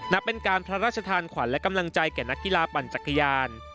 นับเป็นการพระราชทานขวัญและกำลังใจแก่นักกีฬาปั่นจักรยาน